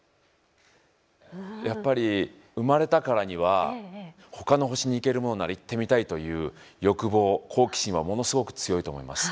やっぱり生まれたからにはほかの星に行けるものなら行ってみたいという欲望好奇心はものすごく強いと思います。